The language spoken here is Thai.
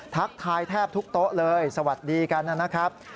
ทักทายแทบทุกโต๊ะเลยสวัสดีกันนะครับ